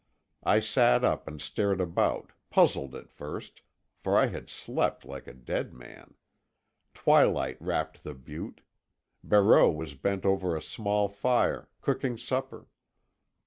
I sat up and stared about, puzzled at first, for I had slept like a dead man. Twilight wrapped the butte. Barreau was bent over a small fire, cooking supper.